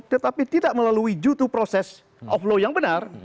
tetapi tidak melalui jutu proses of law yang benar